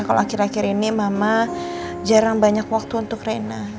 kalau akhir akhir ini mama jarang banyak waktu untuk rena